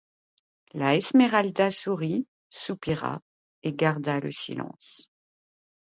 La Esmeralda sourit, soupira, et garda le silence.